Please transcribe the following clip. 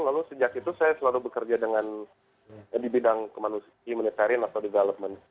lalu sejak itu saya selalu bekerja dengan di bidang kemanusiarian atau development